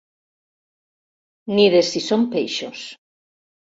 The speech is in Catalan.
Ni de si són peixos.